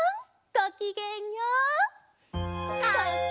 ごきげんよう！